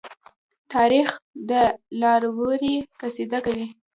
تاریخ د دلاورۍ قصه کوي.